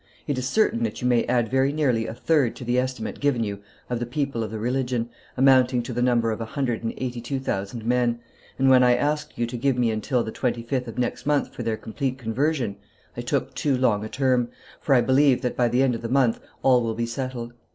It is certain that you may add very nearly a third to the estimate given you of the people of the religion, amounting to the number of a hundred and eighty two thousand men, and, when I asked you to give me until the, 25th of next month for their complete conversion, I took too long a term, for I believe that by the end of the month all will be settled.